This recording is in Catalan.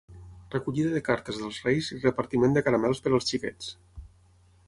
Recollida de cartes dels Reis i repartiment de caramels per als xiquets.